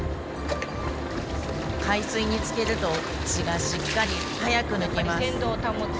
海水に漬けると血がしっかり早く抜けます。